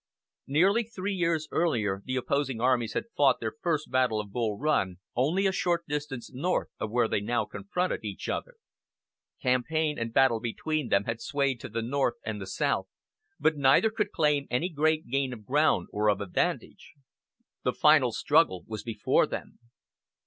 Nearly three years earlier the opposing armies had fought their first battle of Bull Run only a short distance north of where they now confronted each other. Campaign and battle between them had swayed to the north and the south, but neither could claim any great gain of ground or of advantage. The final struggle was before them.